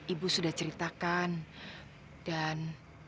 ibu sudah ceritakan dan